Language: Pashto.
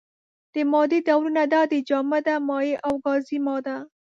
د مادې ډولونه دا دي: جامده، مايع او گازي ماده.